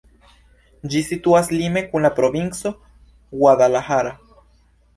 Ĝi situas lime kun la provinco Guadalajara.